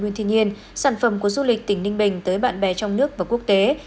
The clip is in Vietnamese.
nguyên thiên nhiên sản phẩm của du lịch tỉnh ninh bình tới bạn bè trong nước và quốc tế